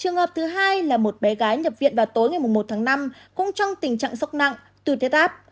trường hợp thứ hai là một bé gái nhập viện vào tối ngày một tháng năm cũng trong tình trạng sốc nặng tuy áp